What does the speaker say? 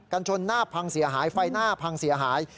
ชนหน้าพังเสียหายไฟหน้าพังเสียหาย